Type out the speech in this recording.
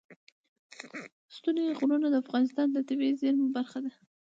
ستوني غرونه د افغانستان د طبیعي زیرمو برخه ده.